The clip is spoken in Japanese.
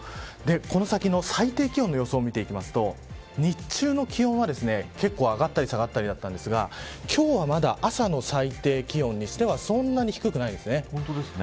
この先の最低気温の予想を見ていくと日中の気温は結構上がったり下がったりだったんですが今日は、まだ朝の最低気温にしてはそんなに低くないですね。